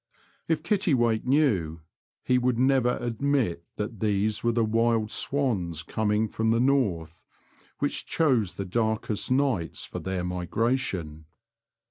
If Kittiwake knew, he would never admit that these were the wild swans coming from the north, which chose the darkest nights for their migration.